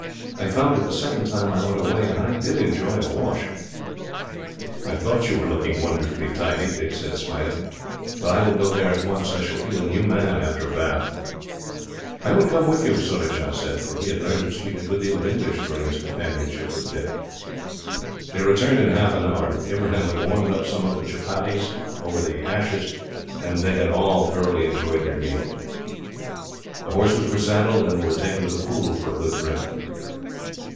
I found it the second time I went away, and I did enjoy a wash." "I thought you were looking wonderfully tidy," Dick said, smiling. "Well, I will go there at once. I shall feel a new man, after a bath." "I will come with you," Surajah said for he had learned to speak a good deal of English, during his companionship with Dick. They returned in half an hour. Ibrahim had warmed up some of the chupatties, over the ashes, and they all thoroughly enjoyed their meal. The horses were saddled, and were taken to the pool for a good drink.